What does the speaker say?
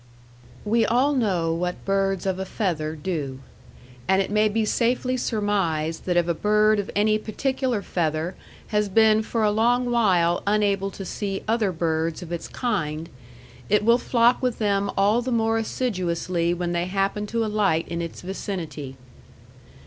We all know what birds of a feather do. And it may be safely surmised that if a bird of any particular feather has been for a long while unable to see other birds of its kind, it will flock with them all the more assiduously when they happen to alight in its vicinity.